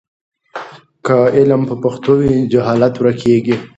که علم په پښتو وي نو جهالت ورکېږي.